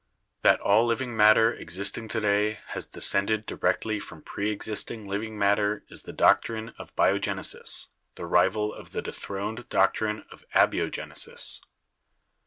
That all living matter existing to day has descended directly from preexisting living matter is the doctrine of 'Biogenesis,' the rival of the dethroned doctrine of 'Abio genesis.'